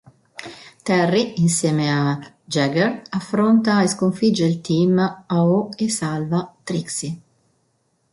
Terry, insieme a Jeager affronta e sconfigge il Team Aho e salva Trixie.